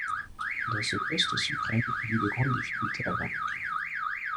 Dans ce poste suprême il eut de grandes difficultés à vaincre.